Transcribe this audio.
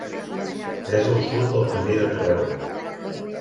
És al sud del Camí de Carreu.